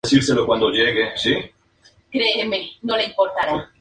Para ella el federalismo es la unidad en la diversidad.